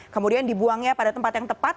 kemudian dibuangnya pada tempat yang tepat